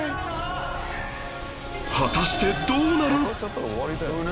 果たしてどうなる！？